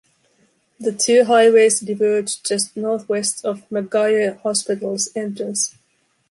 The two highways diverge just northwest of McGuire Hospital's entrance.